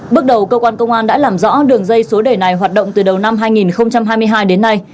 bước đầu cơ quan công an đã làm rõ đường dây số đề này hoạt động từ đầu năm hai nghìn hai mươi hai đến nay